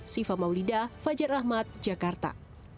siva maulida fajar ahmad jakarta